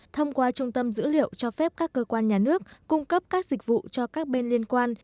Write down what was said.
thông qua trung tâm dữ liệu cho phép các cơ quan nhà nước cung cấp các dịch vụ cho các bên liên quan